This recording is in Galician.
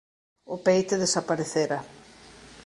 O peite desaparecera.